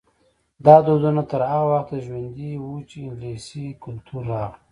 دا دودونه تر هغه وخته ژوندي وو چې انګلیسي کلتور راغی.